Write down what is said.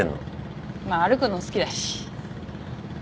まあ歩くの好きだし。